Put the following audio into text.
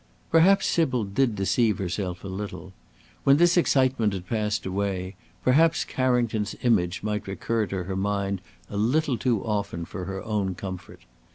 Perhaps Sybil did deceive herself a little. When this excitement had passed away, perhaps Carrington's image might recur to her mind a little too often for her own comfort.